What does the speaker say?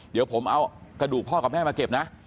เดี๋ยวผมเอากระดูกพ่อกับแม่มาเก็บนะ